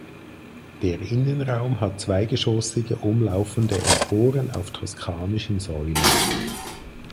Der Innenraum hat zweigeschossige umlaufende Emporen auf toskanischen Säulen.